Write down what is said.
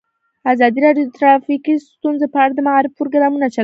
ازادي راډیو د ټرافیکي ستونزې په اړه د معارفې پروګرامونه چلولي.